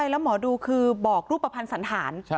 แล้วหมอดูคือบอกรูปประพันธ์สันฐาน